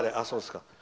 そうですか。